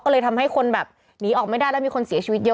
ก็เลยทำให้คนแบบหนีออกไม่ได้แล้วมีคนเสียชีวิตเยอะ